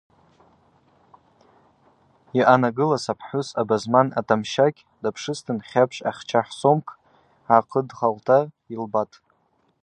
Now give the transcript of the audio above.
Йъаналгыз апхӏвыс абазман атамщакь дапшызтын хьапщ ахча хвсомкӏ гӏакӏыдхалта йылбатӏ.